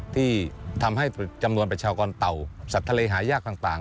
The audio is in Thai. ที่ทำให้จำนวนประชากรเต่าสัตว์ทะเลหายากต่าง